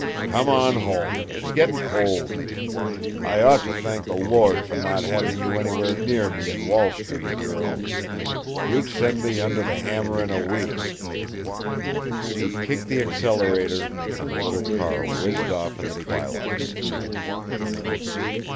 "Come on home! It's getting cold. I ought to thank the Lord for not having you anywhere near me in Wall Street, girl! You'd send me under the hammer in a week." He kicked the accelerator, and the little car whizzed off in the twilight.